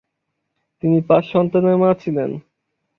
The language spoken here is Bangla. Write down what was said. তিনি পাঁচ সন্তানের মা ছিলেন।